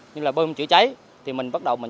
như là bơm chữa chảy thì mình bắt đầu